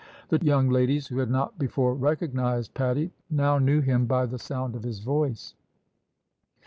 The young ladies, who had not before recognised Paddy, now knew him by the sound of his voice.